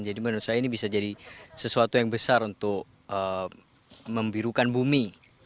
jadi menurut saya ini bisa jadi sesuatu yang besar untuk membirukan bumi